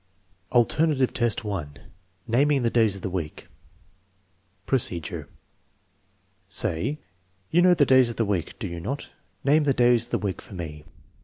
VIIj Alternative test 1 : naming the days of the week Procedure. Say: "You 'know the days of the week, do you not ? Name the days of the week for me."